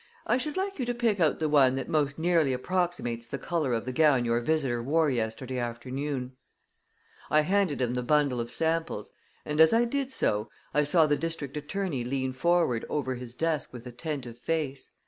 I should like you to pick out the one that most nearly approximates the color of the gown your visitor wore yesterday afternoon." I handed him the bundle of samples, and as I did so, I saw the district attorney lean forward over his desk with attentive face.